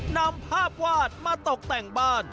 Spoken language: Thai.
นำภาพวาดมาตกแต่งบ้าน